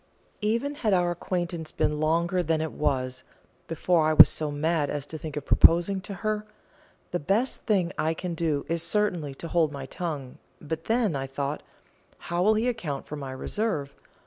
Even had our acquaintance been longer than it was, before I was so mad as to think of proposing to her, the best thing I can do is certainly to hold my tongue; but then, I thought, how will he account for my reserve?